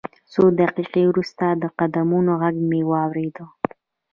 څو دقیقې وروسته د قدمونو غږ مې واورېد